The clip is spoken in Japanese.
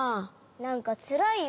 なんかつらいよ。